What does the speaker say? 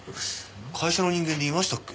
会社の人間にいましたっけ？